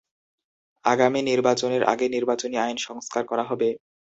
আগামী নির্বাচনের আগে নির্বাচনী আইন সংস্কার করা হবে।